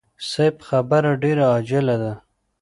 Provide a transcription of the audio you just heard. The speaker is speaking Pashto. صيب خبره ډېره عاجله ده.